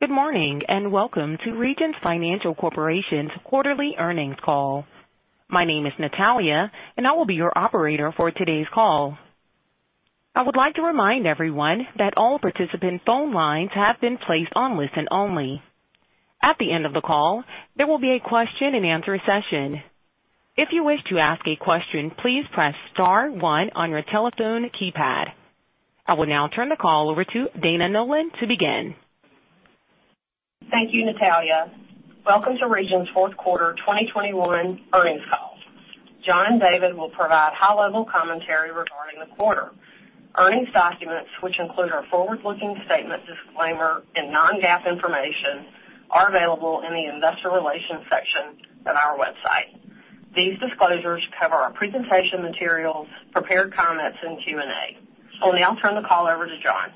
Good morning, and welcome to Regions Financial Corporation's Quarterly Earnings Call. My name is Natalia, and I will be your operator for today's call. I would like to remind everyone that all participant phone lines have been placed on listen only. At the end of the call, there will be a question-and-answer session. If you wish to ask a question, please press star one on your telephone keypad. I will now turn the call over to Dana Nolan to begin. Thank you, Natalia. Welcome to Regions 4th Quarter 2021 Earnings Call. John and David will provide high-level commentary regarding the quarter. Earnings documents, which include our forward-looking statement disclaimer and non-GAAP information, are available in the investor relations section on our website. These disclosures cover our presentation materials, prepared comments, and Q&A. I'll now turn the call over to John.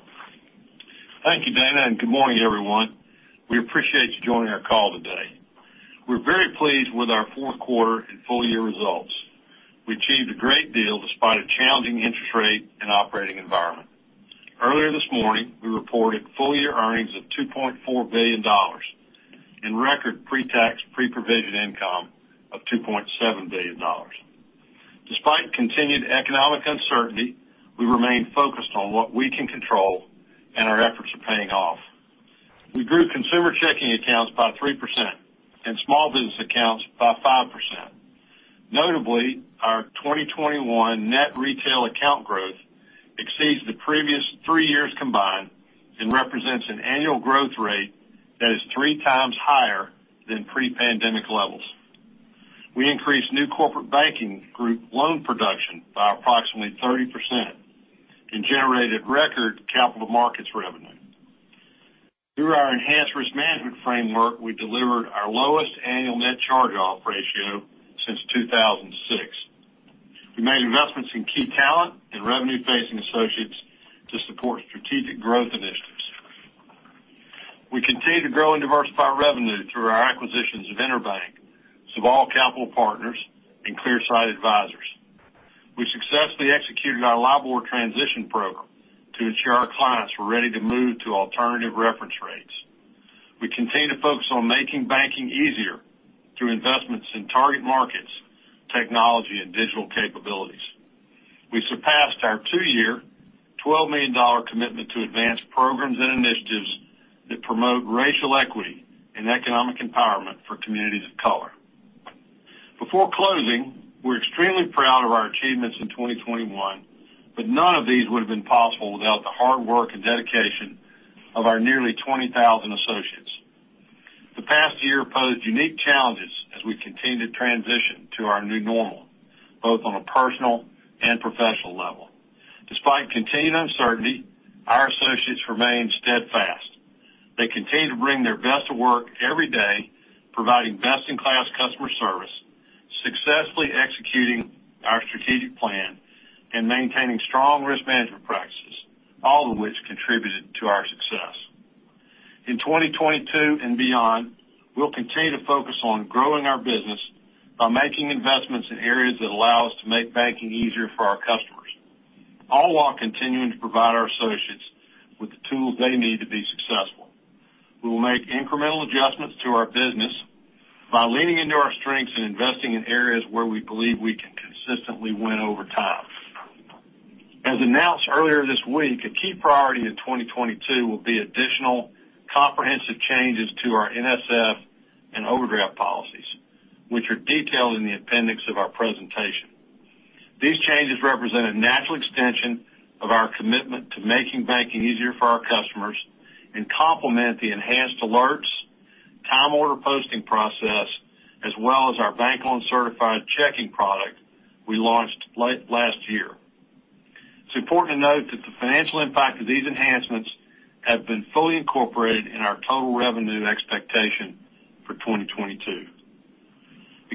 Thank you, Dana, and good morning, everyone. We appreciate you joining our call today. We're very pleased with our 4th quarter and full year results. We achieved a great deal despite a challenging interest rate and operating environment. Earlier this morning, we reported full year earnings of $2.4 billion and record pre-tax pre-provision income of $2.7 billion. Despite continued economic uncertainty, we remain focused on what we can control, and our efforts are paying off. We grew consumer checking accounts by 3% and small business accounts by 5%. Notably, our 2021 net retail account growth exceeds the previous 3 years combined and represents an annual growth rate that is 3 times higher than pre-pandemic levels. We increased new corporate banking group loan production by approximately 30% and generated record capital markets revenue. Through our enhanced risk management framework, we delivered our lowest annual net charge-off ratio since 2006. We made investments in key talent and revenue-facing associates to support strategic growth initiatives. We continue to grow and diversify revenue through our acquisitions of EnerBank USA, Sabal Capital Partners, and Clearsight Advisors. We successfully executed our LIBOR transition program to ensure our clients were ready to move to alternative reference rates. We continue to focus on making banking easier through investments in target markets, technology and digital capabilities. We surpassed our two-year, $12 million commitment to advance programs and initiatives that promote racial equity and economic empowerment for communities of color. Before closing, we're extremely proud of our achievements in 2021, but none of these would have been possible without the hard work and dedication of our nearly 20,000 associates. The past year posed unique challenges as we continue to transition to our new normal, both on a personal and professional level. Despite continued uncertainty, our associates remain steadfast. They continue to bring their best to work every day, providing best-in-class customer service, successfully executing our strategic plan, and maintaining strong risk management practices, all of which contributed to our success. In 2022 and beyond, we'll continue to focus on growing our business by making investments in areas that allow us to make banking easier for our customers, all while continuing to provide our associates with the tools they need to be successful. We will make incremental adjustments to our business by leaning into our strengths and investing in areas where we believe we can consistently win over time. As announced earlier this week, a key priority in 2022 will be additional comprehensive changes to our NSF and overdraft policies, which are detailed in the appendix of our presentation. These changes represent a natural extension of our commitment to making banking easier for our customers and complement the enhanced alerts, time order posting process, as well as our bank-owned certified checking product we launched last year. It's important to note that the financial impact of these enhancements have been fully incorporated in our total revenue expectation for 2022.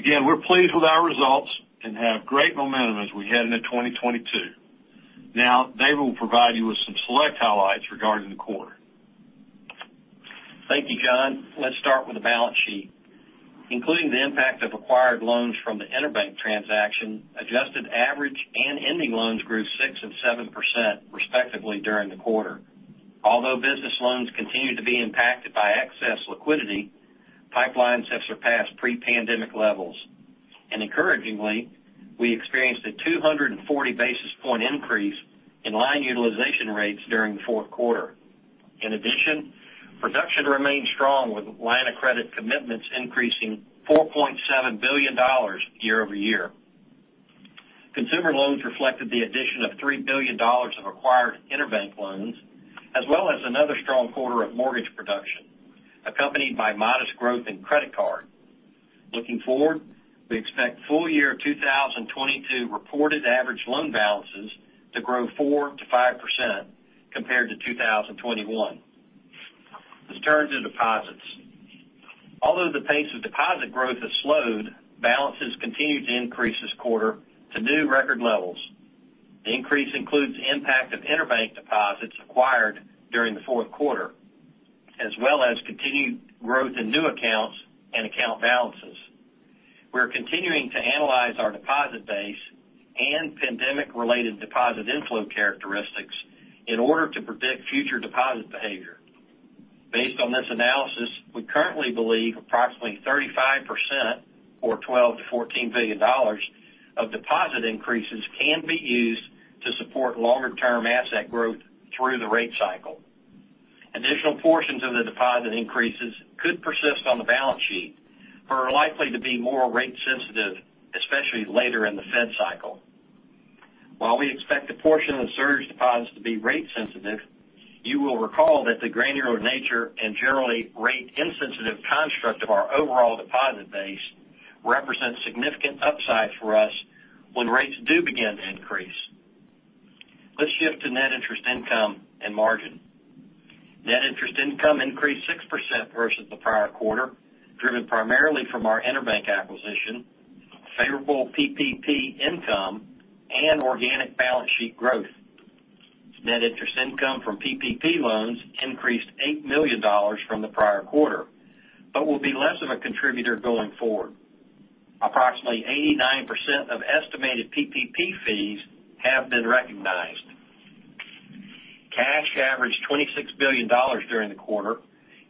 Again, we're pleased with our results and have great momentum as we head into 2022. Now David will provide you with some select highlights regarding the quarter. Thank you, John. Let's start with the balance sheet. Including the impact of acquired loans from the EnerBank transaction, adjusted average and ending loans grew 6% and 7% respectively during the quarter. Although business loans continued to be impacted by excess liquidity, pipelines have surpassed pre-pandemic levels. Encouragingly, we experienced a 240 basis point increase in line utilization rates during the 4th quarter. In addition, production remained strong with line of credit commitments increasing $4.7 billion year-over-year. Consumer loans reflected the addition of $3 billion of acquired EnerBank loans, as well as another strong quarter of mortgage production, accompanied by modest growth in credit card. Looking forward, we expect full year 2022 reported average loan balances to grow 4%-5% compared to 2021. Let's turn to deposits. Although the pace of deposit growth has slowed, balances continued to increase this quarter to new record levels. The increase includes the impact of EnerBank deposits acquired during the 4th quarter, as well as continued growth in new accounts and account balances. We're continuing to analyze our deposit base and pandemic-related deposit inflow characteristics in order to predict future deposit behavior. Based on this analysis, we currently believe approximately 35% or $12 billion-$14 billion of deposit increases can be used to support longer term asset growth through the rate cycle. Additional portions of the deposit increases could persist on the balance sheet, but are likely to be more rate sensitive, especially later in the Fed cycle. While we expect a portion of the surge deposits to be rate sensitive, you will recall that the granular nature and generally rate insensitive construct of our overall deposit base represents significant upside for us when rates do begin to increase. Let's shift to net interest income and margin. Net interest income increased 6% versus the prior quarter, driven primarily from our EnerBank acquisition, favorable PPP income, and organic balance sheet growth. Net interest income from PPP loans increased $8 million from the prior quarter, but will be less of a contributor going forward. Approximately 89% of estimated PPP fees have been recognized. Cash averaged $26 billion during the quarter,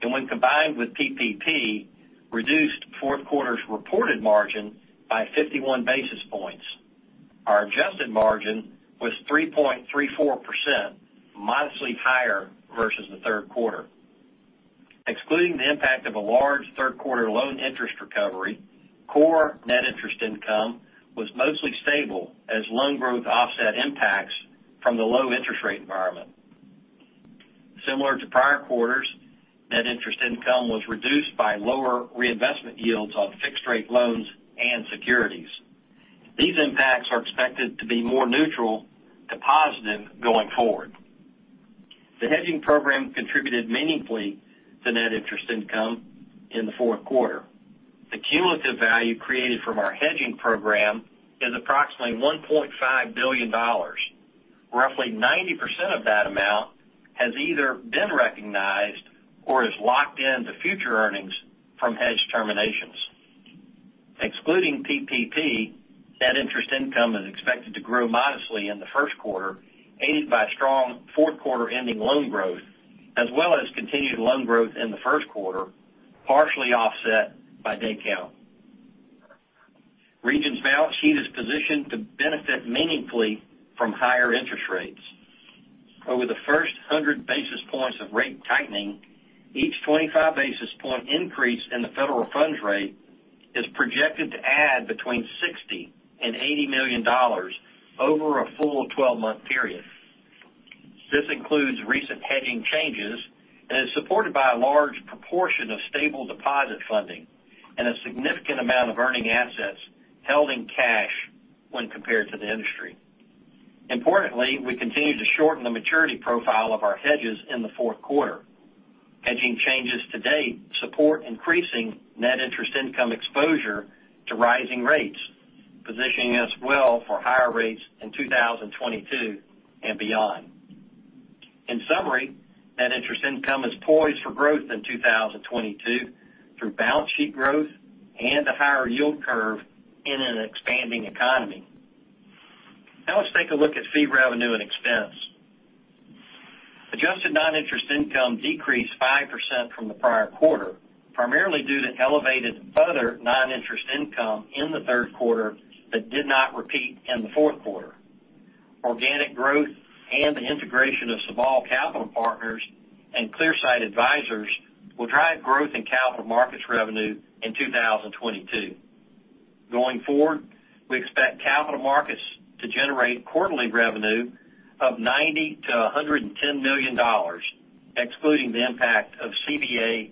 and when combined with PPP, reduced 4th quarter's reported margin by 51 basis points. Our adjusted margin was 3.34%, modestly higher versus the third quarter. Excluding the impact of a large 3rd quarter loan interest recovery, core net interest income was mostly stable as loan growth offset impacts from the low interest rate environment. Similar to prior quarters, net interest income was reduced by lower reinvestment yields on fixed rate loans and securities. These impacts are expected to be more neutral to positive going forward. The hedging program contributed meaningfully to net interest income in the 4th quarter. The cumulative value created from our hedging program is approximately $1.5 billion. Roughly 90% of that amount has either been recognized or is locked into future earnings from hedge terminations. Excluding PPP, net interest income is expected to grow modestly in the 1st quarter, aided by strong 4th quarter ending loan growth, as well as continued loan growth in the 1st quarter, partially offset by day count. Regions balance sheet is positioned to benefit meaningfully from higher interest rates. Over the first 100 basis points of rate tightening, each 25 basis point increase in the federal funds rate is projected to add between $60 million and $80 million over a full 12-month period. This includes recent hedging changes and is supported by a large proportion of stable deposit funding and a significant amount of earning assets held in cash when compared to the industry. Importantly, we continue to shorten the maturity profile of our hedges in the 4th quarter. Hedging changes to date support increasing net interest income exposure to rising rates, positioning us well for higher rates in 2022 and beyond. In summary, net interest income is poised for growth in 2022 through balance sheet growth and a higher yield curve in an expanding economy. Now let's take a look at fee revenue and expense. Adjusted non-interest income decreased 5% from the prior quarter, primarily due to elevated other non-interest income in the 3rd quarter that did not repeat in the 4th quarter. Organic growth and the integration of Sabal Capital Partners and Clearsight Advisors will drive growth in capital markets revenue in 2022. Going forward, we expect capital markets to generate quarterly revenue of $90 million-$110 million, excluding the impact of CVA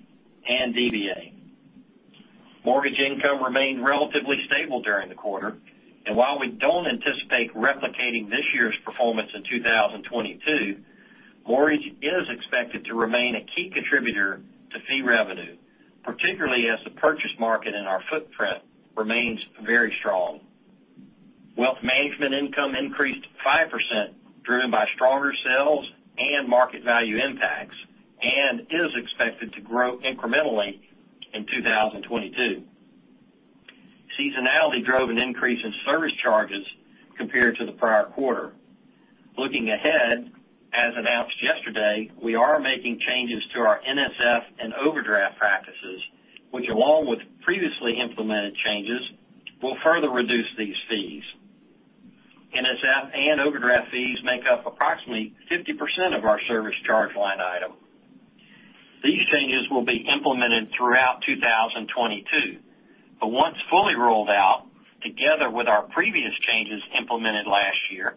and DVA. Mortgage income remained relatively stable during the quarter, and while we don't anticipate replicating this year's performance in 2022, mortgage is expected to remain a key contributor to fee revenue, particularly as the purchase market in our footprint remains very strong. Wealth management income increased 5% driven by stronger sales and market value impacts, and is expected to grow incrementally in 2022. Seasonality drove an increase in service charges compared to the prior quarter. Looking ahead, as announced yesterday, we are making changes to our NSF and overdraft practices, which, along with previously implemented changes, will further reduce these fees. NSF and overdraft fees make up approximately 50% of our service charge line item. These changes will be implemented throughout 2022, but once fully rolled out, together with our previous changes implemented last year,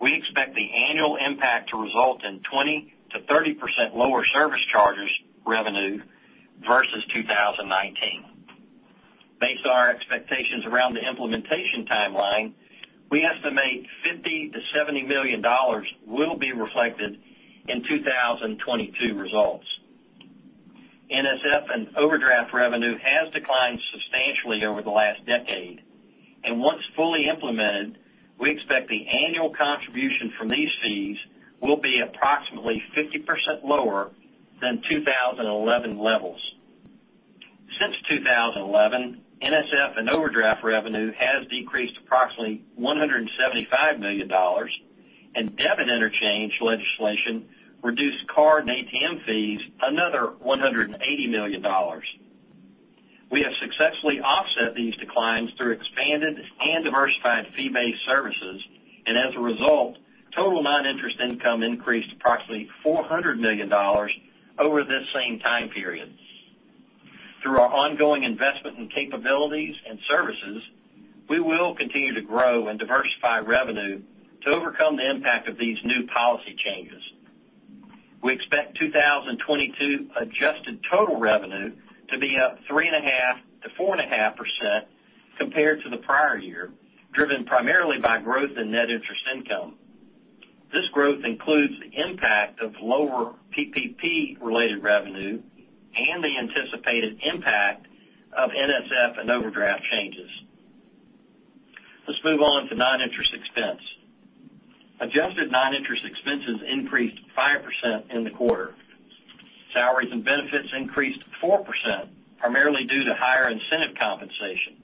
we expect the annual impact to result in 20%-30% lower service charges revenue versus 2019. Based on our expectations around the implementation timeline, we estimate $50 million-$70 million will be reflected in 2022 results. NSF and overdraft revenue has declined substantially over the last decade. Once fully implemented, we expect the annual contribution from these fees will be approximately 50% lower than 2011 levels. Since 2011, NSF and overdraft revenue has decreased approximately $175 million, and debit interchange legislation reduced card and ATM fees another $180 million. We have successfully offset these declines through expanded and diversified fee-based services. As a result, total non-interest income increased approximately $400 million over this same time period. Through our ongoing investment in capabilities and services, we will continue to grow and diversify revenue to overcome the impact of these new policy changes. We expect 2022 adjusted total revenue to be up 3.5%-4.5% compared to the prior year, driven primarily by growth in net interest income. This growth includes the impact of lower PPP related revenue and the anticipated impact of NSF and overdraft changes. Let's move on to non-interest expense. Adjusted non-interest expenses increased 5% in the quarter. Salaries and benefits increased 4%, primarily due to higher incentive compensation.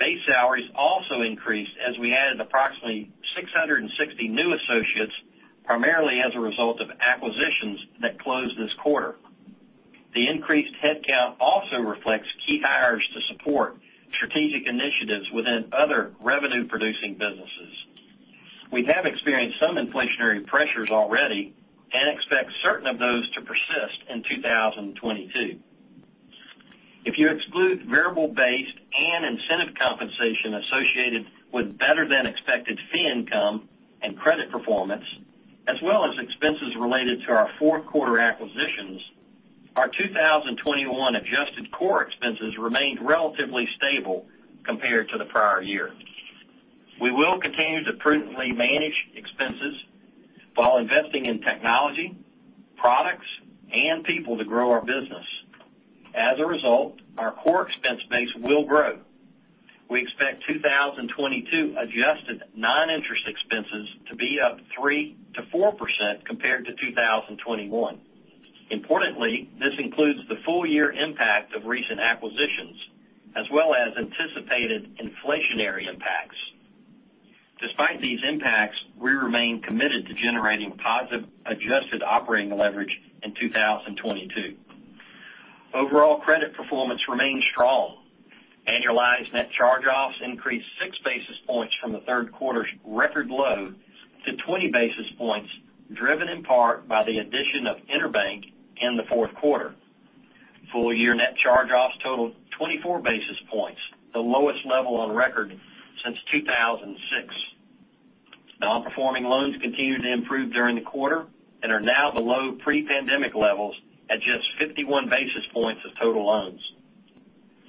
Base salaries also increased as we added approximately 660 new associates, primarily as a result of acquisitions that closed this quarter. The increased headcount also reflects key hires to support strategic initiatives within other revenue producing businesses. We have experienced some inflationary pressures already and expect certain of those to persist in 2022. If you exclude variable-based and incentive compensation associated with better than expected fee income and credit performance, as well as expenses related to our 4th quarter acquisitions, our 2021 adjusted core expenses remained relatively stable compared to the prior year. We will continue to prudently manage expenses while investing in technology, products, and people to grow our business. As a result, our core expense base will grow. We expect 2022 adjusted non-interest expenses to be up 3%-4% compared to 2021. Importantly, this includes the full year impact of recent acquisitions as well as anticipated inflationary impacts. Despite these impacts, we remain committed to generating positive adjusted operating leverage in 2022. Overall credit performance remained strong. Annualized net charge-offs increased 6 basis points from the 3rd quarter's record low to 20 basis points, driven in part by the addition of EnerBank in the 4th quarter. Full year net charge-offs totaled 24 basis points, the lowest level on record since 2006. Non-performing loans continued to improve during the quarter and are now below pre-pandemic levels at just 51 basis points of total loans.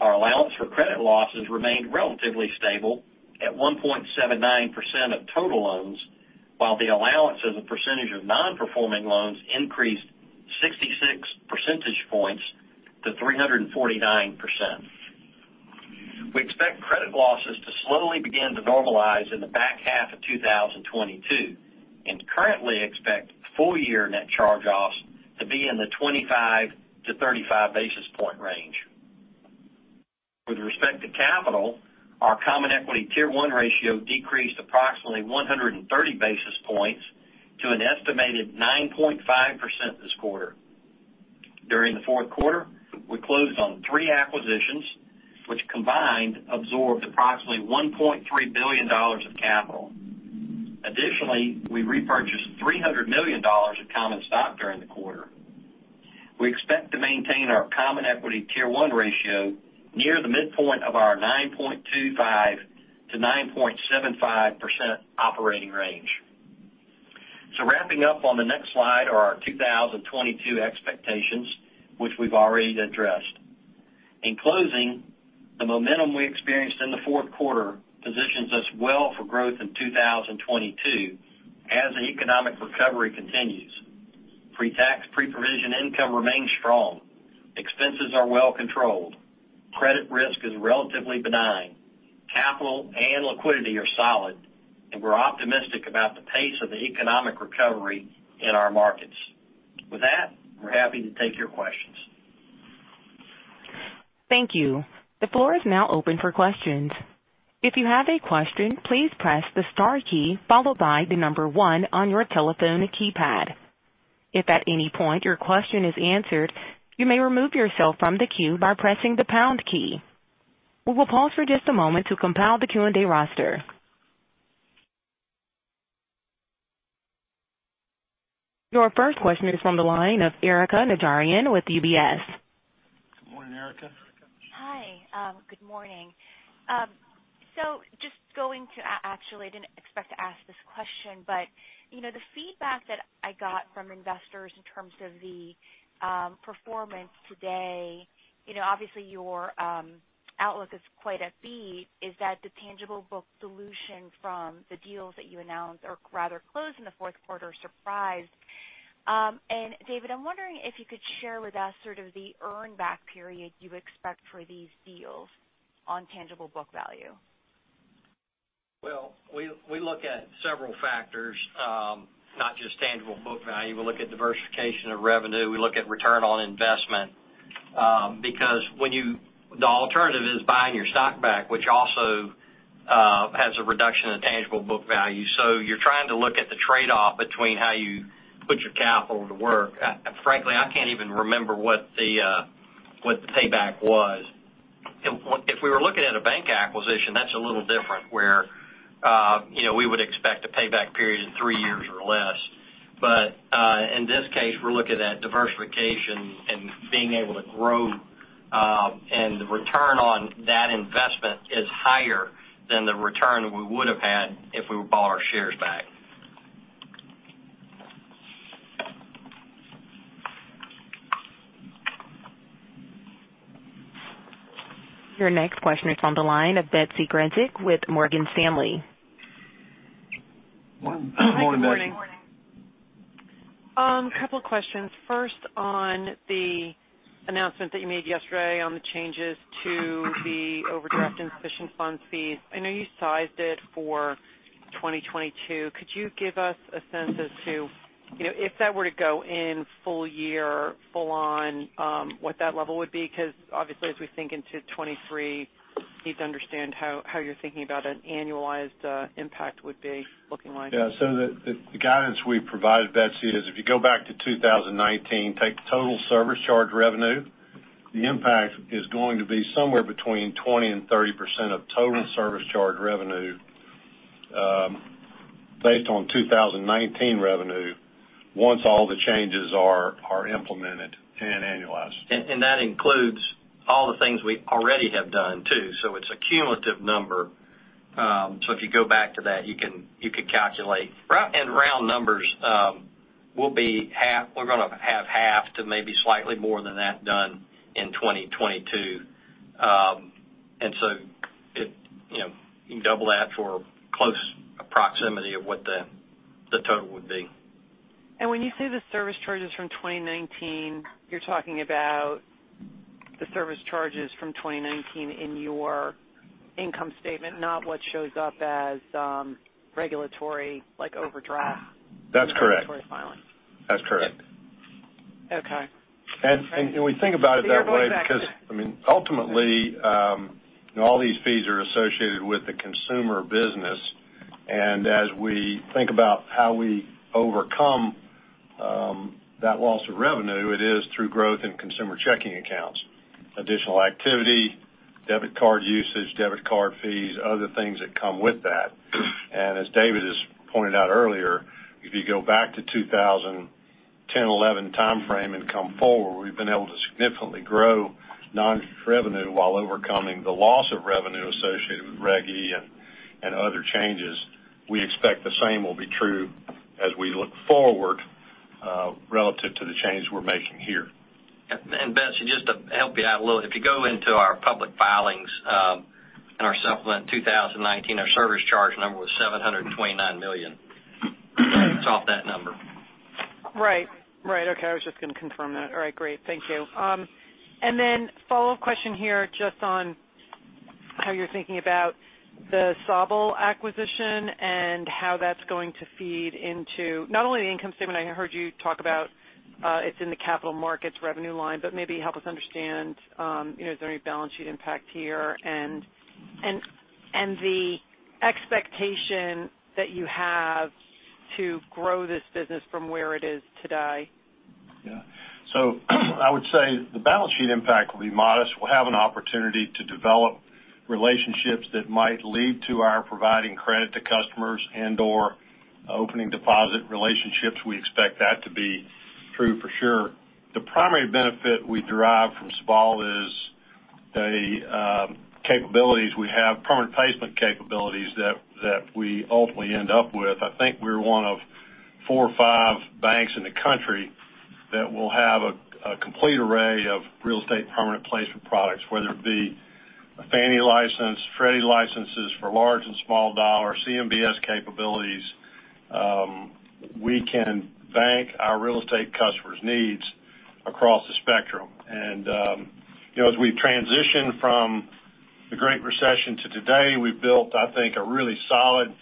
Our allowance for credit losses remained relatively stable at 1.79% of total loans, while the allowance as a percentage of non-performing loans increased 66 percentage points to 349%. We expect credit losses to slowly begin to normalize in the back half of 2022, and currently expect full year net charge-offs to be in the 25-35 basis point range. With respect to capital, our common equity Tier 1 ratio decreased approximately 130 basis points to an estimated 9.5% this quarter. During the 4th quarter, we closed on three acquisitions which combined absorbed approximately $1.3 billion of capital. Additionally, we repurchased $300 million of common stock during the quarter. We expect to maintain our common equity Tier 1 ratio near the midpoint of our 9.25%-9.75% operating range. Wrapping up on the next slide are our 2022 expectations, which we've already addressed. In closing, the momentum we experienced in the 4th quarter positions us well for growth in 2022 as the economic recovery continues. Pre-tax pre-provision income remains strong. Expenses are well controlled. Credit risk is relatively benign. Capital and liquidity are solid, and we're optimistic about the pace of the economic recovery in our markets. With that, we're happy to take your questions. Thank you. The floor is now open for questions. If you have a question, please press the star key followed by the number one on your telephone keypad. If at any point your question is answered, you may remove yourself from the queue by pressing the pound key. We will pause for just a moment to compile the Q&A roster. Your first question is from the line of Erika Najarian with UBS. Good morning, Erika. Hi, good morning. Actually, I didn't expect to ask this question, but, you know, the feedback that I got from investors in terms of the performance today, you know, obviously your outlook is quite upbeat. Is that the tangible book dilution from the deals that you announced or rather closed in the 4th quarter surprised, and David, I'm wondering if you could share with us sort of the earn back period you expect for these deals on tangible book value. Well, we look at several factors, not just tangible book value. We look at diversification of revenue, we look at return on investment. Because the alternative is buying your stock back, which also has a reduction in tangible book value. You're trying to look at the trade-off between how you put your capital to work. Frankly, I can't even remember what the payback was. If we were looking at a bank acquisition, that's a little different, where you know, we would expect a payback period of three years or less. In this case, we're looking at diversification and being able to grow, and the return on that investment is higher than the return we would have had if we bought our shares back. Your next question is on the line of Betsy Graseck with Morgan Stanley. Morning, Betsy. Good morning. A couple of questions. First, on the announcement that you made yesterday on the changes to the overdraft insufficient funds fees. I know you sized it for 2022. Could you give us a sense as to, you know, if that were to go in full year, full on, what that level would be? Because obviously, as we think into 2023, need to understand how you're thinking about an annualized impact would be looking like. Yeah. The guidance we've provided, Betsy, is if you go back to 2019, take the total service charge revenue, the impact is going to be somewhere between 20%-30% of total service charge revenue, based on 2019 revenue once all the changes are implemented and annualized. And that includes all the things we already have done, too. It's a cumulative number. If you go back to that, you could calculate. In round numbers, we'll have half to maybe slightly more than that done in 2022. You know, you can double that for close proximity of what the total would be. When you say the service charges from 2019, you're talking about the service charges from 2019 in your income statement, not what shows up as regulatory, like overdraft- That's correct. in the regulatory filing. That's correct. Okay. We think about it that way because, I mean, ultimately, all these fees are associated with the consumer business. As we think about how we overcome that loss of revenue, it is through growth in consumer checking accounts, additional activity, debit card usage, debit card fees, other things that come with that. As David has pointed out earlier, if you go back to 2010, 2011 timeframe and come forward, we've been able to significantly grow non-interest revenue while overcoming the loss of revenue associated with Reg E and other changes. We expect the same will be true as we look forward, relative to the changes we're making here. Betsy, just to help you out a little, if you go into our public filings, and our supplement 2019, our service charge number was $729 million. It's off that number. Right. Okay, I was just gonna confirm that. All right, great. Thank you. Follow-up question here just on how you're thinking about the Sabal acquisition and how that's going to feed into not only the income statement I heard you talk about, it's in the capital markets revenue line, but maybe help us understand, is there any balance sheet impact here and the expectation that you have to grow this business from where it is today. I would say the balance sheet impact will be modest. We'll have an opportunity to develop relationships that might lead to our providing credit to customers and/or opening deposit relationships. We expect that to be true for sure. The primary benefit we derive from Sabal is the capabilities we have, permanent placement capabilities that we ultimately end up with. I think we're one of four or five banks in the country that will have a complete array of real estate permanent placement products, whether it be a Fannie license, Freddie licenses for large and small dollar, CMBS capabilities. We can bank our real estate customers' needs across the spectrum. You know, as we transition from the Great Recession to today, we've built, I think, a really solid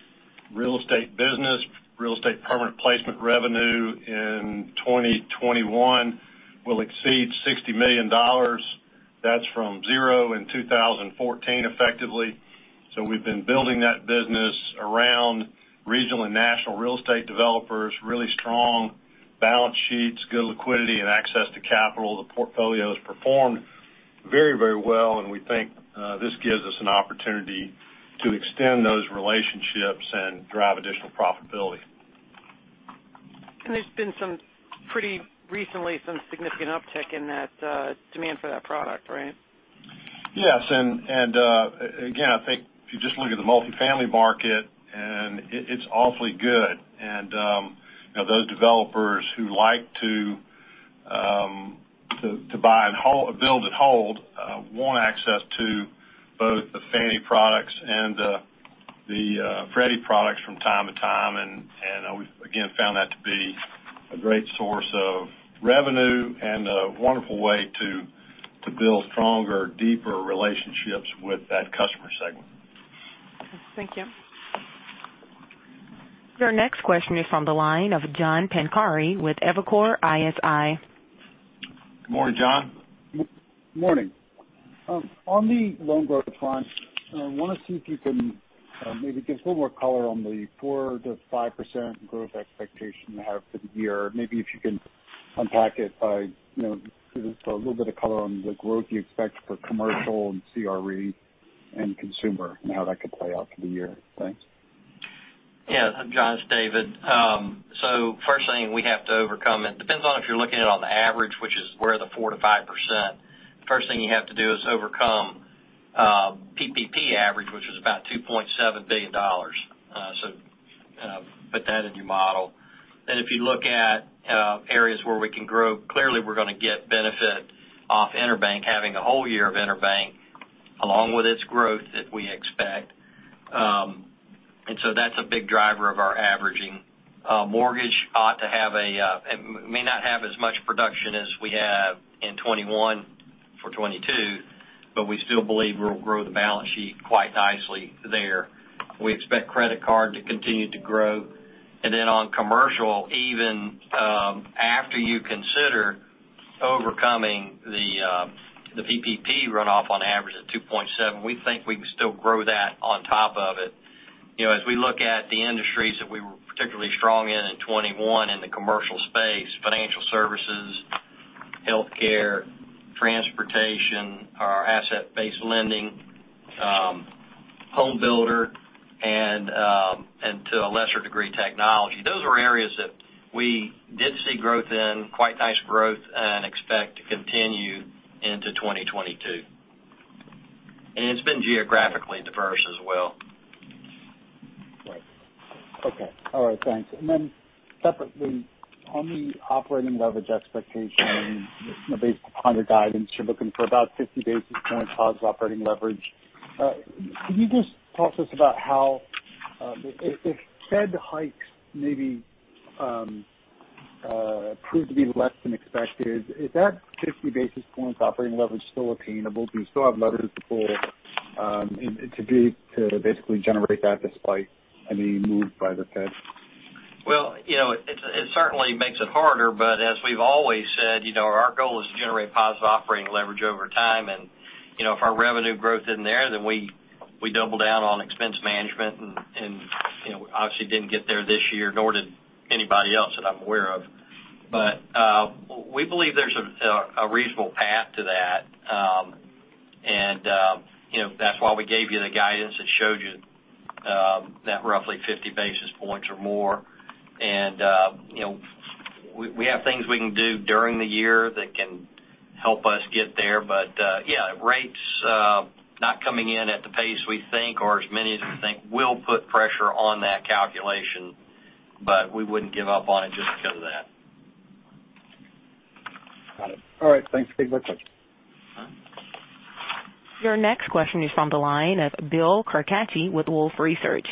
real estate business. Real estate permanent placement revenue in 2021 will exceed $60 million. That's from zero in 2014 effectively. We've been building that business around regional and national real estate developers, really strong balance sheets, good liquidity, and access to capital. The portfolio has performed very, very well, and we think this gives us an opportunity to extend those relationships and drive additional profitability. There's been some pretty recently significant uptick in that demand for that product, right? Yes. Again, I think if you just look at the multifamily market, it's awfully good. You know, those developers who like to buy and build and hold want access to both the Fannie products and the, the Freddie products from time to time and we've again found that to be a great source of revenue and a wonderful way to build stronger, deeper relationships with that customer segment. Thank you. Your next question is from the line of John Pancari with Evercore ISI. Good morning, John. Morning. On the loan growth front, I wanna see if you can maybe give us a little more color on the 4%-5% growth expectation you have for the year. Maybe if you can unpack it by, you know, just a little bit of color on the growth you expect for commercial and CRE and consumer and how that could play out for the year. Thanks. Yeah, John, it's David. First thing we have to overcome. It depends on if you're looking at the average, which is where the 4%-5%. First thing you have to do is overcome PPP average, which is about $2.7 billion, so put that in your model. Then if you look at areas where we can grow, clearly we're gonna get benefit from EnerBank, having a whole year of EnerBank, along with its growth that we expect. That's a big driver of our averaging. Mortgage ought to have a, it may not have as much production as we have in 2021 for 2022, but we still believe we'll grow the balance sheet quite nicely there. We expect credit card to continue to grow. Then on commercial, even after you consider overcoming the PPP runoff on average of 2.7, we think we can still grow that on top of it. You know, as we look at the industries that we were particularly strong in in 2021 in the commercial space, financial services, healthcare, transportation, our asset-based lending, home builder and to a lesser degree, technology. Those are areas that we did see growth in, quite nice growth, and expect to continue into 2022. It's been geographically diverse as well. Right. Okay. All right, thanks. Then separately, on the operating leverage expectation, you know, based upon your guidance, you're looking for about 50 basis points positive operating leverage. Can you just talk to us about how, if Fed hikes maybe prove to be less than expected, is that 50 basis points operating leverage still attainable? Do you still have leverage to pull, and to basically generate that despite any move by the Fed? Well, you know, it certainly makes it harder, but as we've always said, you know, our goal is to generate positive operating leverage over time. You know, if our revenue growth isn't there, then we double down on expense management and, you know, obviously didn't get there this year, nor did anybody else that I'm aware of. We believe there's a reasonable path to that. You know, that's why we gave you the guidance that showed you that roughly 50 basis points or more. You know, we have things we can do during the year that can help us get there. Yeah, rates not coming in at the pace we think or as many as we think will put pressure on that calculation, but we wouldn't give up on it just because of that. Got it. All right, thanks. Thank you very much. Uh-huh. Your next question is from the line of Bill Carcache with Wolfe Research.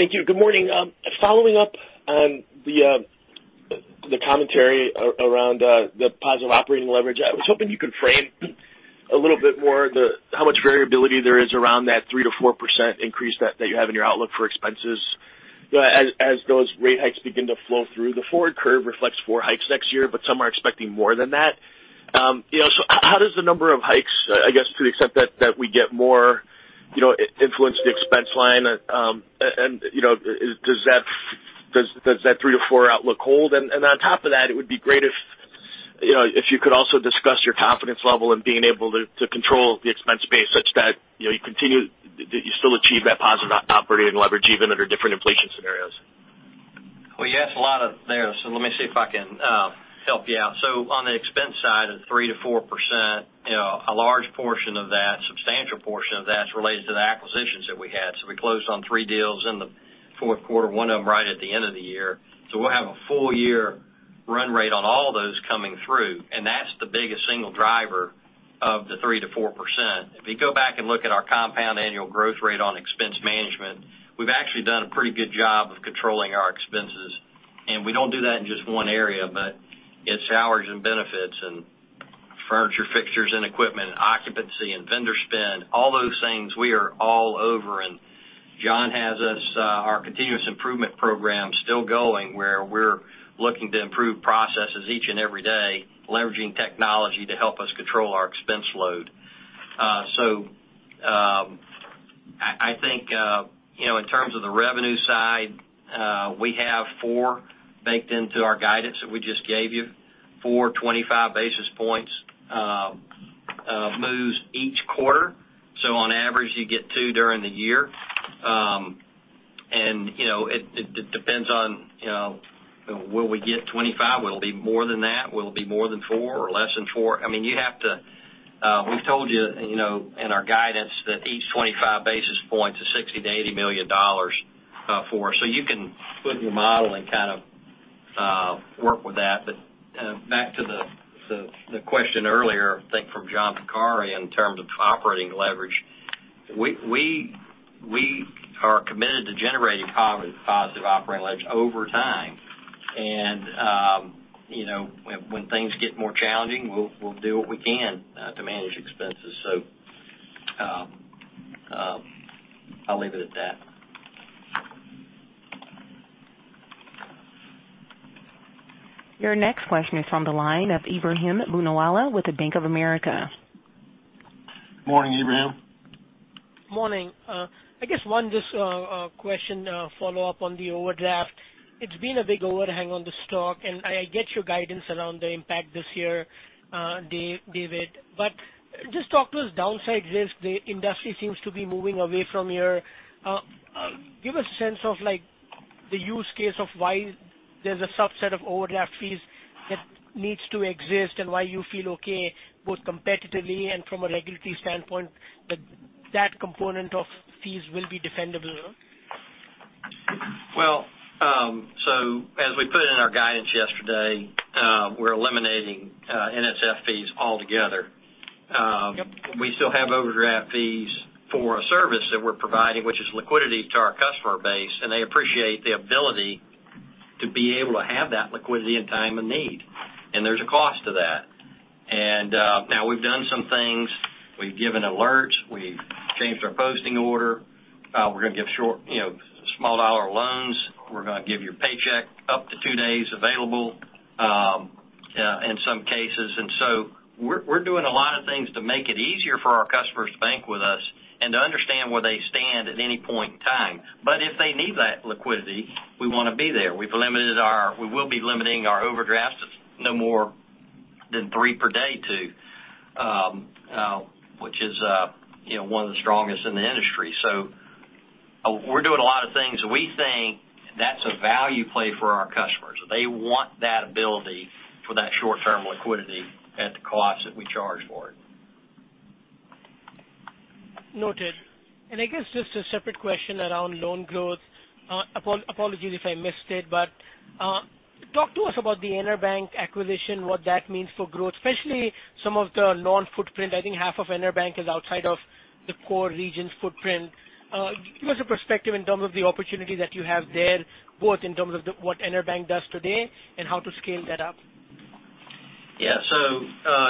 Thank you. Good morning. Following up on the commentary around the positive operating leverage, I was hoping you could frame a little bit more the how much variability there is around that 3%-4% increase that you have in your outlook for expenses, as those rate hikes begin to flow through. The forward curve reflects 4 hikes next year, but some are expecting more than that. You know, so how does the number of hikes, I guess, to the extent that we get more, you know, influence the expense line? And you know, does that 3%-4% outlook hold? On top of that, it would be great if, you know, if you could also discuss your confidence level in being able to control the expense base such that, you know, that you still achieve that positive operating leverage even under different inflation scenarios. Well, you asked a lot of there, so let me see if I can help you out. On the expense side of 3%-4%, you know, a large portion of that, substantial portion of that is related to the acquisitions that we had. We closed on 3 deals in the 4th quarter, one of them right at the end of the year. We'll have a full year run rate on all those coming through, and that's the biggest single driver of the 3%-4%. If you go back and look at our compound annual growth rate on expense management, we've actually done a pretty good job of controlling our expenses. We don't do that in just one area, but it's hours and benefits and furniture, fixtures, and equipment, occupancy and vendor spend, all those things we are all over. John has us, our continuous improvement program still going, where we're looking to improve processes each and every day, leveraging technology to help us control our expense load. I think, you know, in terms of the revenue side, we have 4 baked into our guidance that we just gave you. 425 basis points moves each quarter. On average, you get 2 during the year. It depends on, you know, will we get 25? Will it be more than that? Will it be more than 4 or less than 4? I mean, you have to, we've told you know, in our guidance that each 25 basis point is $60 million-$80 million for us. You can put your model and kind of work with that. Back to the question earlier, I think from John Pancari in terms of operating leverage. We are committed to generating positive operating leverage over time. You know, when things get more challenging, we'll do what we can to manage expenses. I'll leave it at that. Your next question is on the line of Ebrahim Poonawala with Bank of America. Morning, Ebrahim. Morning. I guess, just one question, follow-up on the overdraft. It's been a big overhang on the stock, and I get your guidance around the impact this year, David. Just talk to us about the downside risk. The industry seems to be moving away from yours. Give a sense of, like, the use case of why there's a subset of overdraft fees that needs to exist and why you feel okay both competitively and from a regulatory standpoint that that component of fees will be defendable. As we put in our guidance yesterday, we're eliminating NSF fees altogether. We still have overdraft fees for a service that we're providing, which is liquidity to our customer base, and they appreciate the ability to be able to have that liquidity in time of need. There's a cost to that. Now we've done some things. We've given alerts. We've changed our posting order. We're gonna give short, you know, small dollar loans. We're gonna give your paycheck up to two days available in some cases. We're doing a lot of things to make it easier for our customers to bank with us and to understand where they stand at any point in time. If they need that liquidity, we wanna be there. We will be limiting our overdraft to no more than three per day too, which is one of the strongest in the industry. We're doing a lot of things that we think that's a value play for our customers. They want that ability for that short-term liquidity at the cost that we charge for it. Noted. I guess just a separate question around loan growth. Apologies if I missed it, but talk to us about the EnerBank acquisition, what that means for growth, especially some of the non-footprint. I think half of EnerBank is outside of the core Regions footprint. Give us your perspective in terms of the opportunity that you have there, both in terms of what EnerBank does today and how to scale that up. Yeah.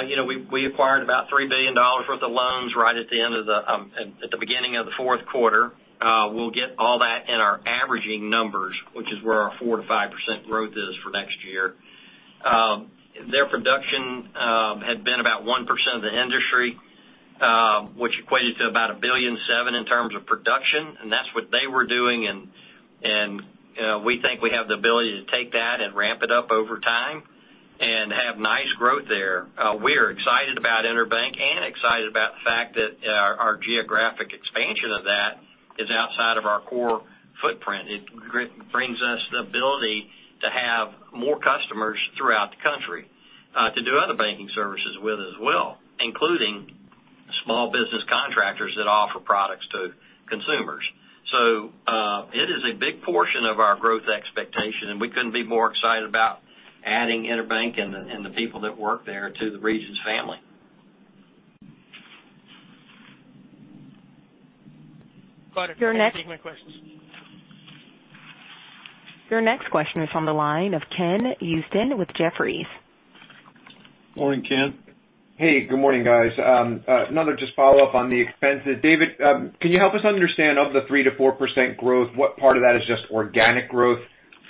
You know, we acquired about $3 billion worth of loans right at the beginning of the 4th quarter. We'll get all that in our averaging numbers, which is where our 4%-5% growth is for next year. Their production had been about 1% of the industry, which equated to about $1.7 billion in terms of production, and that's what they were doing. We think we have the ability to take that and ramp it up over time and have nice growth there. We're excited about EnerBank and excited about the fact that our geographic expansion of that is outside of our core footprint. It brings us the ability to have more customers throughout the country, to do other banking services with as well, including small business contractors that offer products to consumers. It is a big portion of our growth expectation, and we couldn't be more excited about adding EnerBank and the people that work there to the Regions family. Got it. Your next- That takes my questions. Your next question is on the line of Ken Usdin with Jefferies. Morning, Ken. Hey, good morning, guys. Another just follow-up on the expenses. David, can you help us understand of the 3%-4% growth, what part of that is just organic growth?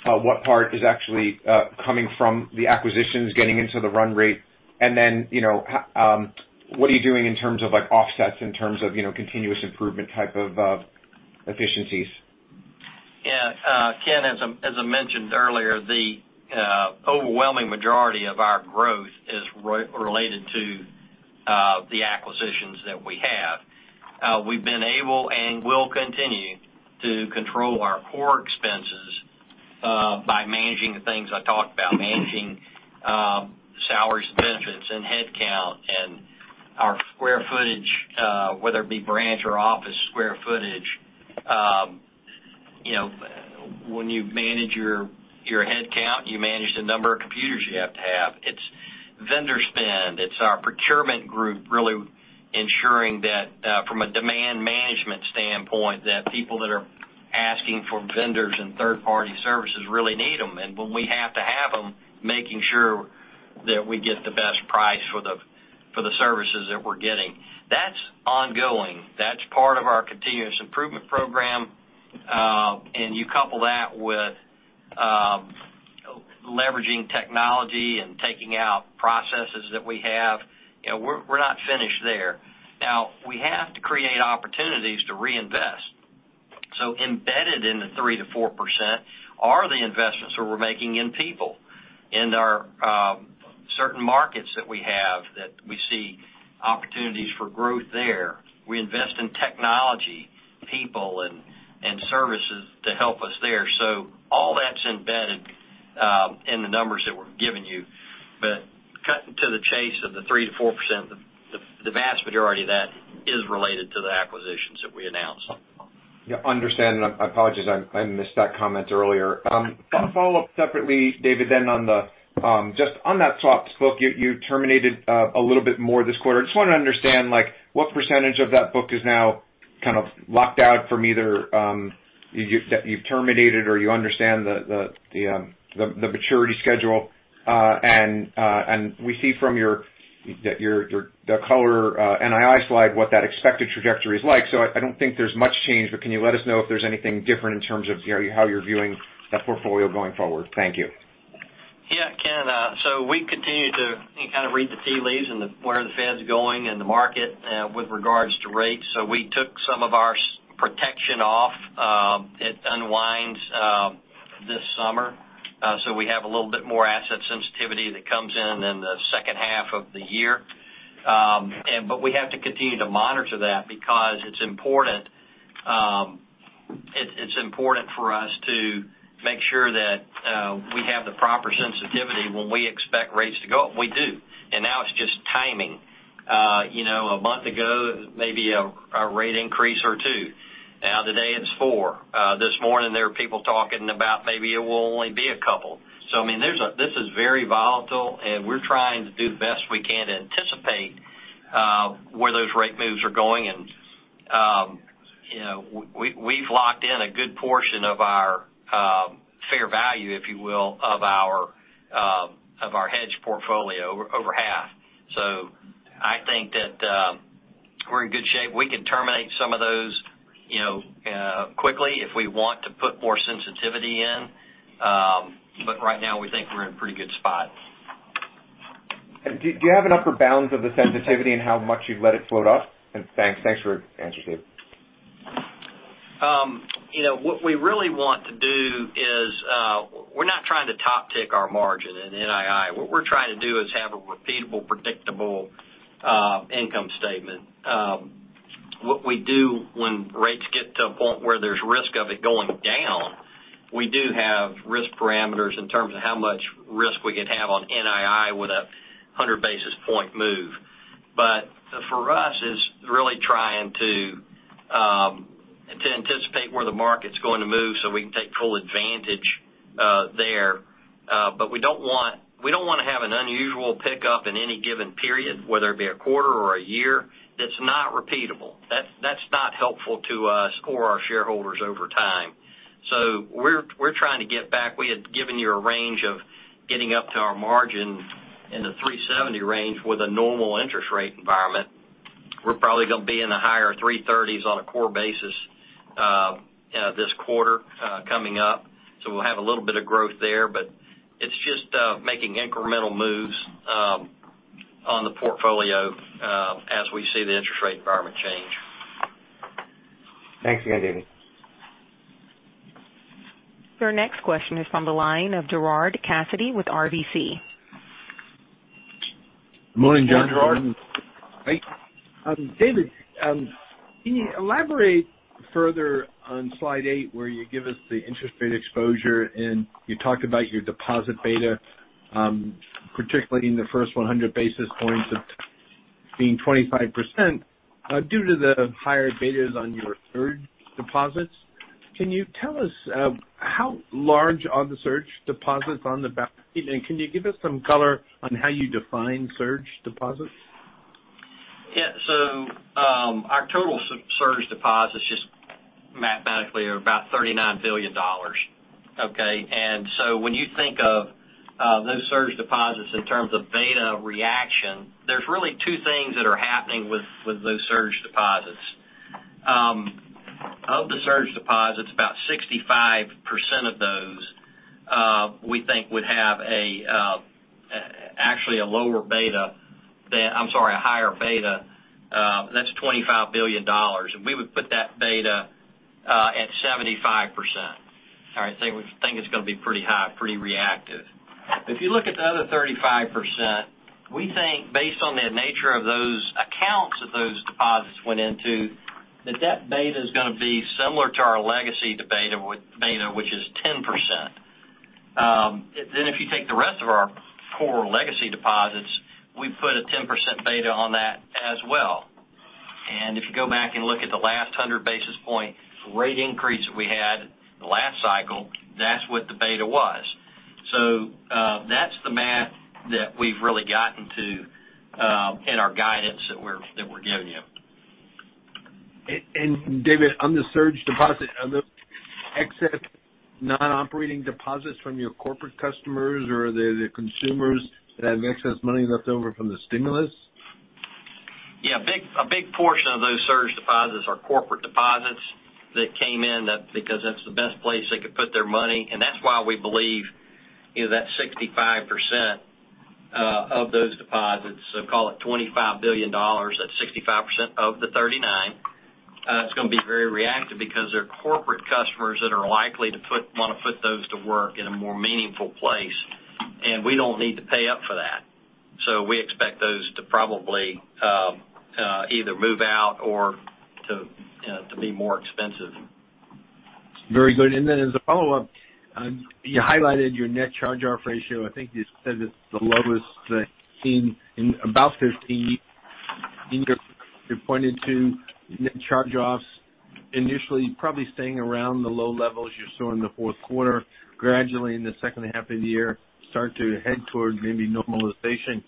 What part is actually coming from the acquisitions getting into the run rate? What are you doing in terms of like offsets, in terms of, you know, continuous improvement type of efficiencies? Yeah. Ken, as I mentioned earlier, the overwhelming majority of our growth is related to the acquisitions that we have. We've been able and will continue to control our core expenses by managing the things I talked about, managing salaries, benefits and headcount and our square footage, whether it be branch or office square footage. You know, when you manage your headcount, you manage the number of computers you have to have. It's vendor spend. It's our procurement group really ensuring that, from a demand management standpoint, that people that are asking for vendors and third-party services really need them. When we have to have them, making sure that we get the best price for the services that we're getting. That's ongoing. That's part of our continuous improvement program. You couple that with leveraging technology and taking out processes that we have. You know, we're not finished there. Now, we have to create opportunities to reinvest. Embedded in the 3%-4% are the investments that we're making in people in our certain markets that we have that we see opportunities for growth there. We invest in technology, people and services to help us there. All that's embedded in the numbers that we're giving you. Cutting to the chase of the 3%-4%, the vast majority of that is related to the acquisitions that we announced. Yeah, I understand. I apologize, I missed that comment earlier. A follow-up separately, David, then just on that swaps book, you terminated a little bit more this quarter. I just wanna understand, like, what percentage of that book is now kind of locked out from either you've terminated or you understand the maturity schedule. And we see from your color NII slide what that expected trajectory is like. I don't think there's much change, but can you let us know if there's anything different in terms of, you know, how you're viewing that portfolio going forward? Thank you. Yeah, I can. We continue to read the tea leaves and where the Feds are going in the market with regards to rates. We took some of our swap protection off. It unwinds this summer. We have a little bit more asset sensitivity that comes in in the second half of the year. We have to continue to monitor that because it's important for us to make sure that we have the proper sensitivity when we expect rates to go up. We do. Now it's just timing. You know, a month ago, maybe a rate increase or 2. Now, today it's 4. This morning there were people talking about maybe it will only be a couple. I mean, this is very volatile, and we're trying to do the best we can to anticipate where those rate moves are going. You know, we've locked in a good portion of our fair value, if you will, of our hedge portfolio, over half. I think that we're in good shape. We could terminate some of those, you know, quickly if we want to put more sensitivity in. But right now, we think we're in pretty good spot. Do you have an upper bounds of the sensitivity and how much you'd let it float up? Thanks for answering. You know, what we really want to do is, we're not trying to top tick our margin in NII. What we're trying to do is have a repeatable, predictable, income statement. What we do when rates get to a point where there's risk of it going down, we do have risk parameters in terms of how much risk we could have on NII with a 100 basis point move. For us, it's really trying to anticipate where the market's going to move so we can take full advantage there. We don't want, we don't wanna have an unusual pickup in any given period, whether it be a quarter or a year. That's not repeatable. That's not helpful to us or our shareholders over time. We're trying to get back. We had given you a range of getting up to our margin in the 3.70% range with a normal interest rate environment. We're probably gonna be in the higher 3.30s on a core basis, this quarter, coming up. We'll have a little bit of growth there, but it's just making incremental moves on the portfolio as we see the interest rate environment change. Thanks again, David. Your next question is on the line of Gerard Cassidy with RBC. Morning, John, Gerard. Hey. David, can you elaborate further on slide eight where you give us the interest rate exposure and you talked about your deposit beta, particularly in the first 100 basis points of being 25%, due to the higher betas on your surge deposits. Can you tell us how large are the surge deposits on the books? And can you give us some color on how you define surge deposits? Yeah, our total surge deposits just mathematically are about $39 billion, okay? When you think of those surge deposits in terms of beta reaction, there are really two things that are happening with those surge deposits. Of the surge deposits, about 65% of those, we think would have actually a lower beta than. I'm sorry, a higher beta. That's $25 billion. We would put that beta at 75%. We think it's gonna be pretty high, pretty reactive. If you look at the other 35%, we think based on the nature of those accounts that those deposits went into, the deposit beta is gonna be similar to our legacy deposit beta, which is 10%. If you take the rest of our core legacy deposits, we put a 10% beta on that as well. If you go back and look at the last 100 basis points rate increase that we had the last cycle, that's what the beta was. That's the math that we've really gotten to in our guidance that we're giving you. David, on the surge deposit, are those excess non-operating deposits from your corporate customers or are they the consumers that have excess money left over from the stimulus? Yeah, a big portion of those surge deposits are corporate deposits that came in because that's the best place they could put their money. That's why we believe, you know, that 65% of those deposits, so call it $25 billion at 65% of the $39 billion. It's gonna be very reactive because they're corporate customers that are likely to put those to work in a more meaningful place, and we don't need to pay up for that. We expect those to probably either move out or, you know, to be more expensive. Very good. As a follow-up, you highlighted your net charge-off ratio. I think you said it's the lowest seen in about 15 years. You're pointing to net charge-offs initially probably staying around the low levels you saw in the 4th quarter, gradually in the second half of the year, start to head towards maybe normalization.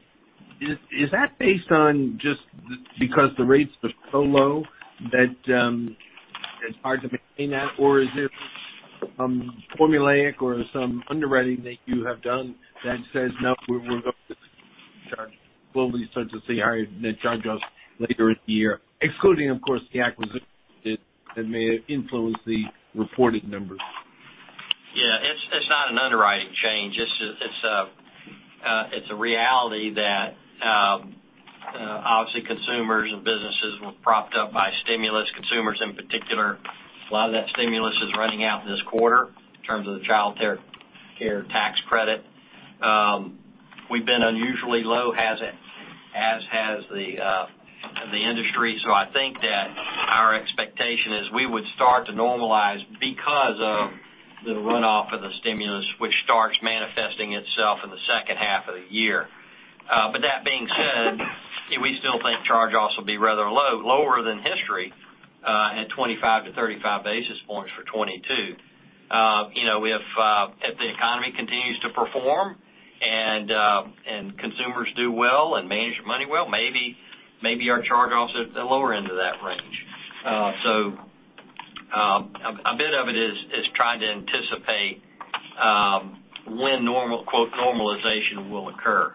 Is that based on just because the rates are so low that it's hard to maintain that? Or is it formulaic or some underwriting that you have done that says, "No, we will charge off." Will we start to see higher net charge-offs later in the year? Excluding, of course, the acquisition that may have influenced the reported numbers. Yeah, it's not an underwriting change. It's a reality that obviously consumers and businesses were propped up by stimulus, consumers in particular. A lot of that stimulus is running out this quarter in terms of the Child Tax Credit. We've been unusually low, as has the industry. I think that our expectation is we would start to normalize because of the runoff of the stimulus, which starts manifesting itself in the second half of the year. But that being said, we still think charge-offs will be rather low, lower than history, at 25-35 basis points for 2022. You know, if the economy continues to perform and consumers do well and manage money well, maybe our charge-offs are at the lower end of that range. A bit of it is trying to anticipate when normal "normalization" will occur.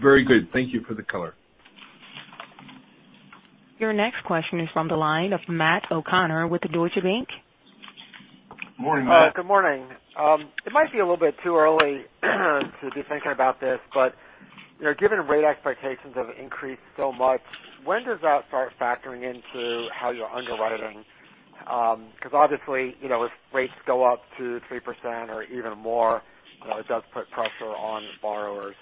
Very good. Thank you for the color. Your next question is from the line of Matt O'Connor with Deutsche Bank. Morning, Matt. Good morning. It might be a little bit too early to be thinking about this, but, you know, given rate expectations have increased so much, when does that start factoring into how you're underwriting? Because obviously, you know, if rates go up to 3% or even more, it does put pressure on borrowers.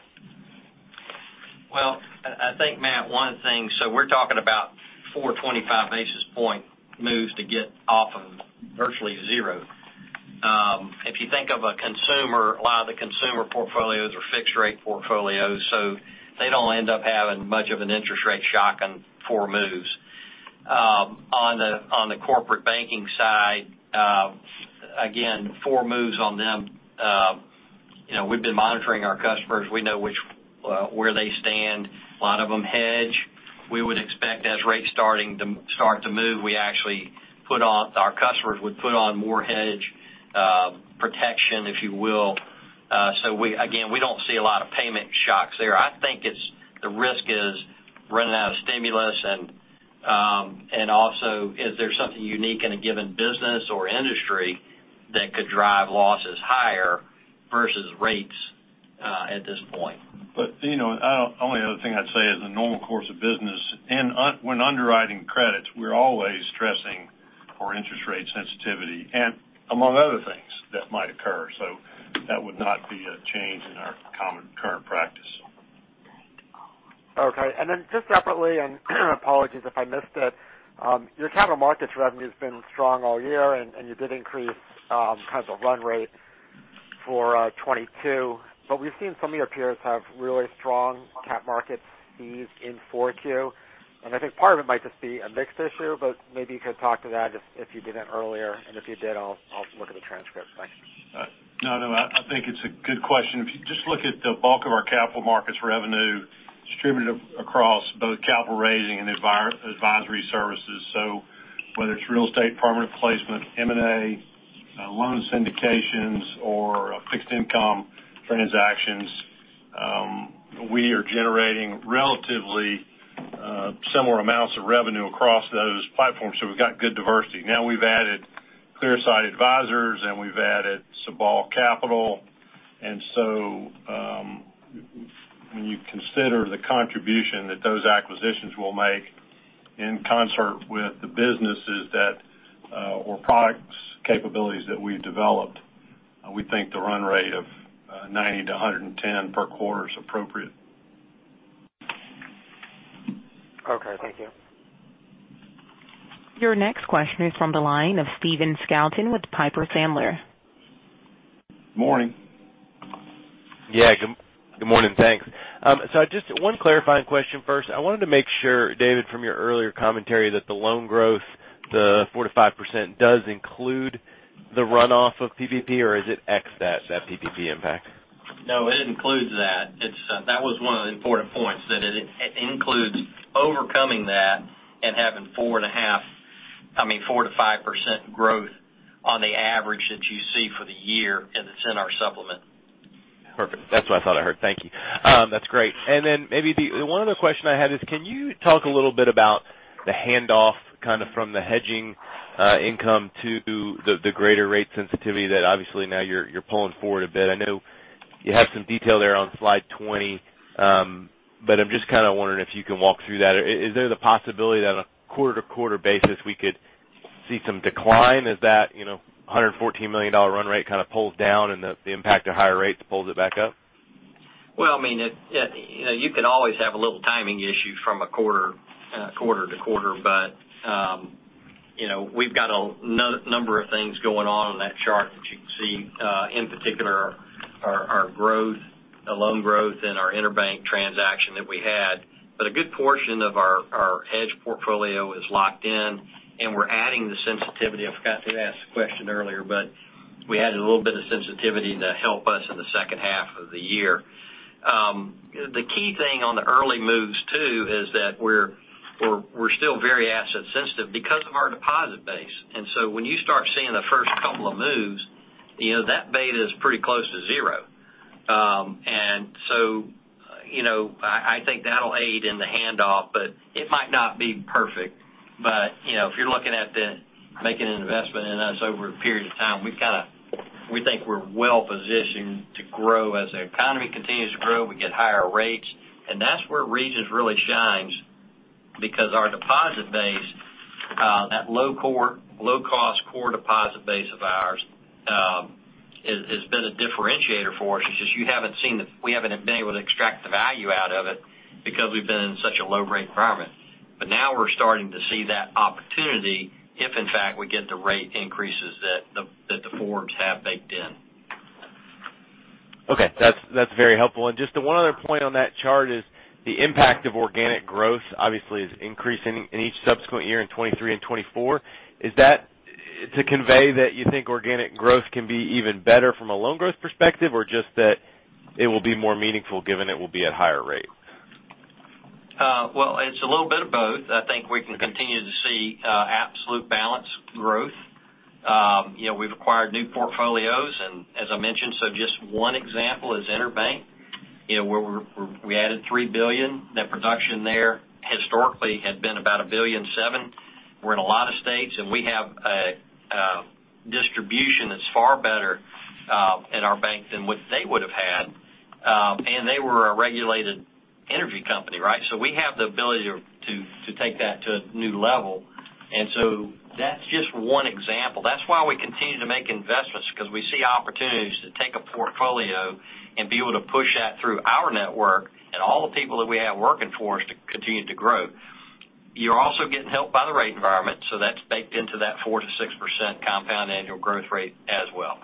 Well, I think, Matt, one thing. We're talking about four 25 basis point moves to get off of virtually zero. If you think of a consumer, a lot of the consumer portfolios are fixed rate portfolios, so they don't end up having much of an interest rate shock on four moves. On the corporate banking side, again, four moves on them. You know, we've been monitoring our customers. We know where they stand. A lot of them hedge. We would expect as rates start to move, our customers would put on more hedge protection, if you will. So again, we don't see a lot of payment shocks there. I think it's the risk is running out of stimulus and also is there something unique in a given business or industry that could drive losses higher versus rates at this point. You know, only other thing I'd say is the normal course of business and when underwriting credits, we're always stressing for interest rate sensitivity and among other things that might occur. That would not be a change in our common current practice. Okay. Then just separately, apologies if I missed it, your capital markets revenue has been strong all year, and you did increase kind of the run rate for 2022. But we've seen some of your peers have really strong cap market fees in 4Q. I think part of it might just be a mix issue, but maybe you could talk to that if you didn't earlier. If you did, I'll look at the transcript. Thanks. No, I think it's a good question. If you just look at the bulk of our capital markets revenue distributed across both capital raising and M&A advisory services. Whether it's real estate, private placement, M&A, loan syndications or fixed income transactions, we are generating relatively similar amounts of revenue across those platforms, so we've got good diversity. Now, we've added Clearsight Advisors and we've added Sabal Capital. When you consider the contribution that those acquisitions will make in concert with the businesses or products capabilities that we've developed, we think the run rate of 90-110 per quarter is appropriate. Okay, thank you. Your next question is from the line of Stephen Scouten with Piper Sandler. Morning. Yeah. Good morning. Thanks. Just one clarifying question first. I wanted to make sure, David, from your earlier commentary that the loan growth, the 4%-5% does include the runoff of PPP, or is it ex that PPP impact? No, it includes that. It's that was one of the important points that it includes overcoming that and having, I mean, 4%-5% growth on the average that you see for the year, and it's in our supplement. Perfect. That's what I thought I heard. Thank you. That's great. Then maybe the one other question I had is, can you talk a little bit about the handoff, kind of from the hedging income to the greater rate sensitivity that obviously now you're pulling forward a bit? I know you have some detail there on slide 20, but I'm just kinda wondering if you can walk through that. Is there the possibility that on a quarter-to-quarter basis we could see some decline as that, you know, $114 million run rate kinda pulls down and the impact of higher rates pulls it back up? Well, I mean, it, you know, you can always have a little timing issue from quarter to quarter. But, you know, we've got a number of things going on that chart that you can see, in particular our loan growth and our interbank transaction that we had. But a good portion of our hedge portfolio is locked in, and we're adding the sensitivity. I forgot to ask the question earlier, but we added a little bit of sensitivity to help us in the second half of the year. The key thing on the early moves too is that we're still very asset sensitive because of our deposit base. When you start seeing the first couple of moves, you know, that beta is pretty close to zero. You know, I think that'll aid in the handoff, but it might not be perfect. You know, if you're looking at making an investment in us over a period of time, we think we're well-positioned to grow. As the economy continues to grow, we get higher rates, and that's where Regions really shines because our deposit base, that low cost core deposit base of ours, has been a differentiator for us. It's just we haven't been able to extract the value out of it because we've been in such a low rate environment. Now we're starting to see that opportunity if in fact we get the rate increases that the forwards have baked in. Okay. That's very helpful. Just the one other point on that chart is the impact of organic growth obviously is increasing in each subsequent year in 2023 and 2024. Is that to convey that you think organic growth can be even better from a loan growth perspective, or just that it will be more meaningful given it will be at higher rate? Well, it's a little bit of both. I think we can continue to see absolute balance growth. You know, we've acquired new portfolios and as I mentioned, so just one example is EnerBank. You know, where we added $3 billion. That production there historically had been about $1.7 billion. We're in a lot of states, and we have a distribution that's far better in our bank than what they would've had. And they were a regulated energy company, right? So we have the ability to take that to a new level. That's just one example. That's why we continue to make investments because we see opportunities to take a portfolio and be able to push that through our network and all the people that we have working for us to continue to grow. You're also getting helped by the rate environment, so that's baked into that 4%-6% compound annual growth rate as well.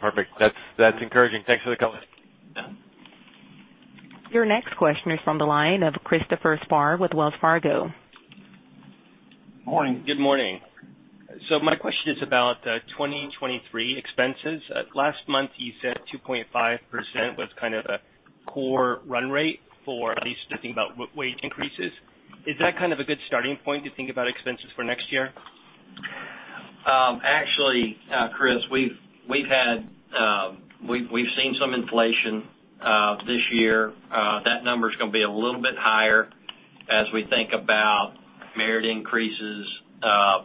Perfect. That's encouraging. Thanks for the color. Yeah. Your next question is from the line of Christopher Spahr with Wells Fargo. Morning. Good morning. My question is about 2023 expenses. Last month you said 2.5% was kind of a core run rate for at least thinking about wage increases. Is that kind of a good starting point to think about expenses for next year? Actually, Chris, we've seen some inflation this year. That number's gonna be a little bit higher as we think about merit increases,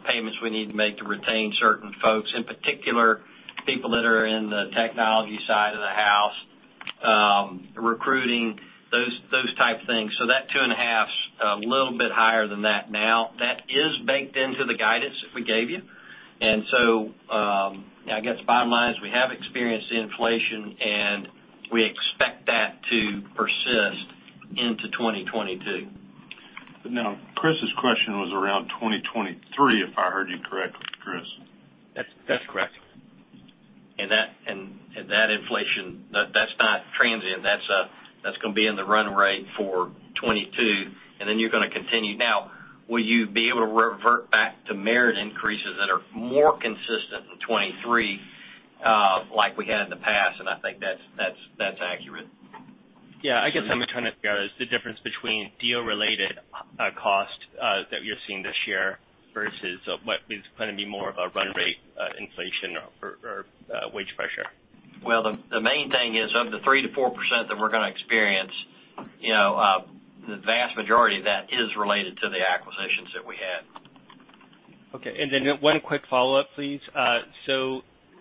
payments we need to make to retain certain folks, in particular, people that are in the technology side of the house, recruiting, those type things. That 2.5's a little bit higher than that now. That is baked into the guidance that we gave you. I guess bottom line is we have experienced the inflation, and we expect that to persist into 2022. Now, Chris's question was around 2023, if I heard you correctly, Chris. That's correct. And that inflation, that's not transient. That's gonna be in the run rate for 2022, and then you're gonna continue. Now, will you be able to revert back to merit increases that are more consistent in 2023, like we had in the past? I think that's accurate. Yeah. I guess what I'm trying to figure out is the difference between deal related cost that you're seeing this year versus what is gonna be more of a run rate inflation or wage pressure. Well, the main thing is of the 3%-4% that we're gonna experience, you know, the vast majority of that is related to the acquisitions that we had. Okay. Then one quick follow-up, please.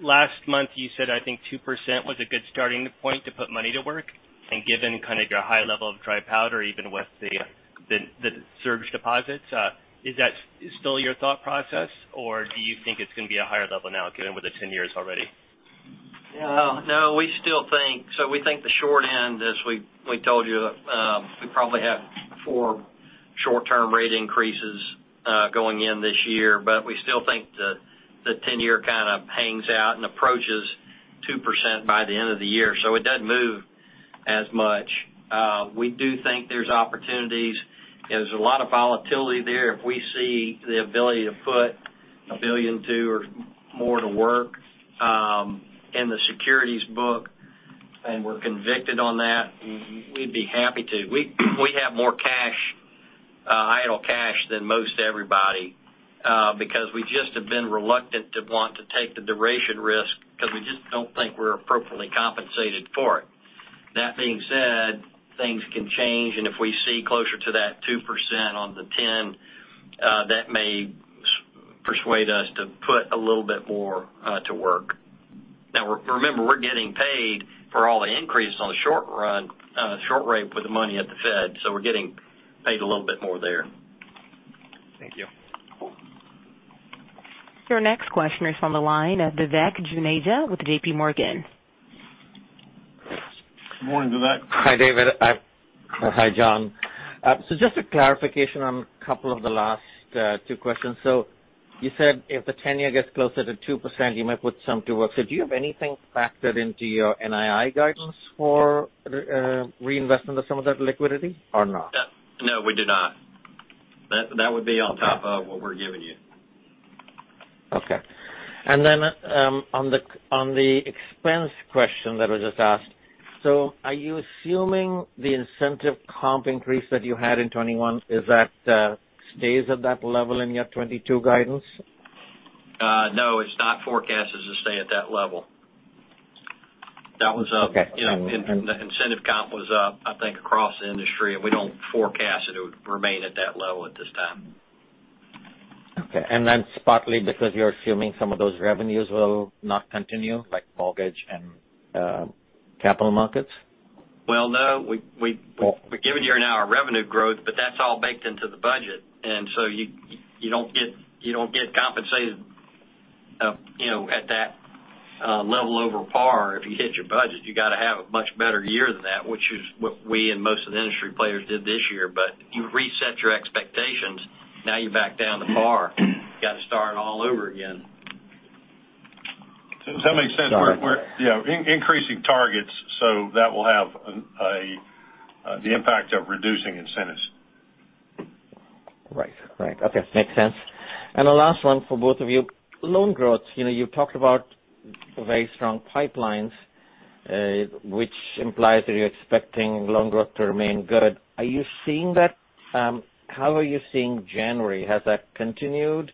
Last month you said, I think 2% was a good starting point to put money to work. Given kind of your high level of dry powder, even with the surge deposits, is that still your thought process, or do you think it's gonna be a higher level now given the 10-year already? Well, no, we still think. We think the short end, as we told you, we probably have 4 short-term rate increases going in this year. We still think the 10-year kind of hangs out and approaches 2% by the end of the year. It doesn't move as much. We do think there's opportunities. There's a lot of volatility there. If we see the ability to put $1.2 billion or more to work in the securities book, and we're convicted on that, we'd be happy to. We have more cash, idle cash than most everybody because we just have been reluctant to want to take the duration risk because we just don't think we're appropriately compensated for it. That being said, things can change, and if we see closer to that 2% on the 10, that may persuade us to put a little bit more to work. Now, remember, we're getting paid for all the increase on the short run short rate with the money at the Fed, so we're getting paid a little bit more there. Your next question is on the line of Vivek Juneja with JPMorgan. Good morning, Vivek. Hi, David. Hi, John. Just a clarification on a couple of the last two questions. You said if the 10-year gets closer to 2%, you might put some to work. Do you have anything factored into your NII guidance for reinvestment of some of that liquidity or not? No, we do not. That would be on top of what we're giving you. Okay. On the expense question that was just asked, so are you assuming the incentive comp increase that you had in 2021, is that stays at that level in your 2022 guidance? No, it's not forecasted to stay at that level. That was- Okay. You know, the incentive comp was up, I think, across the industry, and we don't forecast it would remain at that low at this time. Okay. That's partly because you're assuming some of those revenues will not continue, like mortgage and capital markets? Well, no. We give it here in our revenue growth, but that's all baked into the budget. You don't get compensated, you know, at that level over par if you hit your budget. You gotta have a much better year than that, which is what we and most of the industry players did this year. You reset your expectations, now you lower the bar. You got to start all over again. That makes sense. We're, you know, increasing targets, so that will have the impact of reducing incentives. Right. Okay. Makes sense. The last one for both of you. Loan growth. You know, you've talked about very strong pipelines, which implies that you're expecting loan growth to remain good. Are you seeing that? How are you seeing January? Has that continued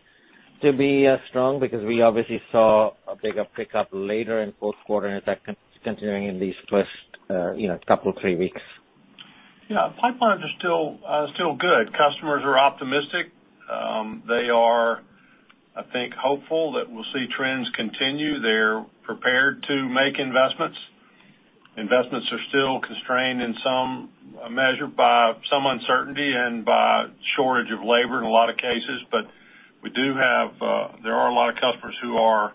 to be strong? Because we obviously saw a bigger pickup later in f4th quarter. Is that continuing in these first, you know, couple, three weeks? Yeah. Pipelines are still good. Customers are optimistic. They are, I think, hopeful that we'll see trends continue. They're prepared to make investments. Investments are still constrained in some measure by some uncertainty and by shortage of labor in a lot of cases. There are a lot of customers who are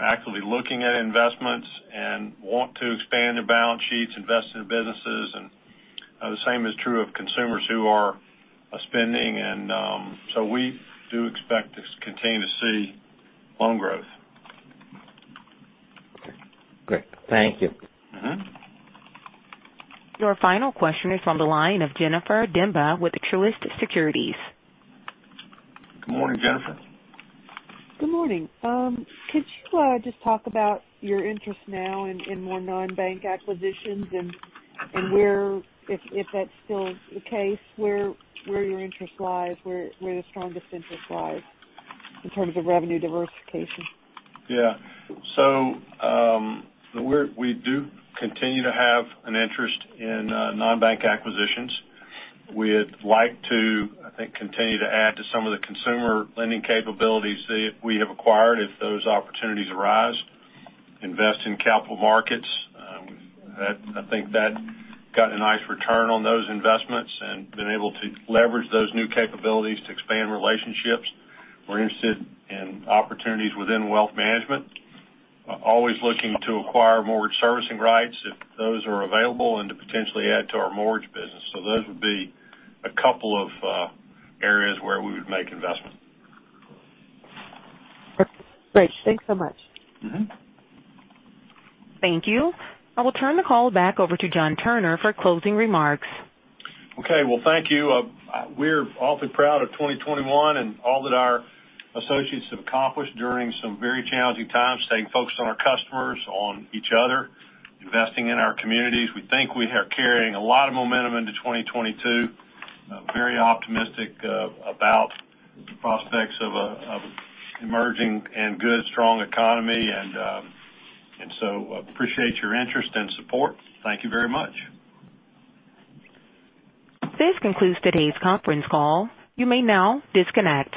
actively looking at investments and want to expand their balance sheets, invest in businesses. The same is true of consumers who are spending and so we do expect to continue to see loan growth. Okay, great. Thank you. Mm-hmm. Your final question is on the line of Jennifer Demba with Truist Securities. Good morning, Jennifer. Good morning. Could you just talk about your interest now in more non-bank acquisitions and where if that's still the case, where your interest lies, where the strongest interest lies in terms of revenue diversification? We do continue to have an interest in non-bank acquisitions. We'd like to, I think, continue to add to some of the consumer lending capabilities that we have acquired if those opportunities arise. Invest in capital markets, I think that got a nice return on those investments and been able to leverage those new capabilities to expand relationships. We're interested in opportunities within wealth management. Always looking to acquire mortgage servicing rights if those are available and to potentially add to our mortgage business. Those would be a couple of areas where we would make investments. Great. Thanks so much. Mm-hmm. Thank you. I will turn the call back over to John Turner for closing remarks. Okay. Well, thank you. We're awfully proud of 2021 and all that our associates have accomplished during some very challenging times, staying focused on our customers, on each other, investing in our communities. We think we are carrying a lot of momentum into 2022. Very optimistic about the prospects of emerging in good, strong economy and so appreciate your interest and support. Thank you very much. This concludes today's conference call. You may now disconnect.